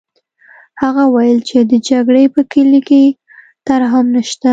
هغه وویل چې د جګړې په کلي کې ترحم نشته